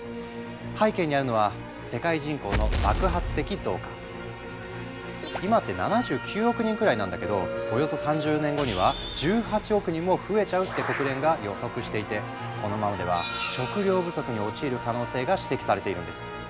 背景にあるのは今って７９億人くらいなんだけどおよそ３０年後には１８億人も増えちゃうって国連が予測していてこのままでは食糧不足に陥る可能性が指摘されているんです。